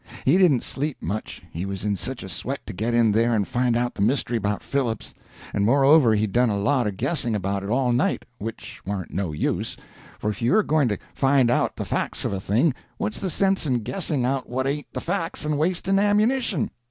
He didn't sleep much, he was in such a sweat to get in there and find out the mystery about Phillips; and moreover he done a lot of guessing about it all night, which warn't no use, for if you are going to find out the facts of a thing, what's the sense in guessing out what ain't the facts and wasting ammunition?